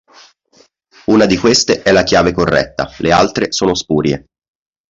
Una di queste è la chiave corretta, le altre sono spurie.